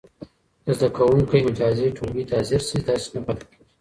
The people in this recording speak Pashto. که زده کوونکی مجازي ټولګي ته حاضر سي، درس نه پاته کېږي.